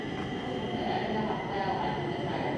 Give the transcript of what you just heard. Шул нурҙы әле лә һаҡлай алған, һүндермәгән.